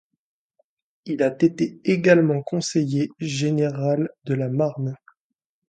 Il a été également conseiller général de la Marne.